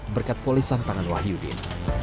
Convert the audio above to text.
berkat polisan tangan wahyudin